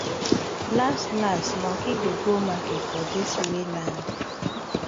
Lass lass monkey go go market for dis we land.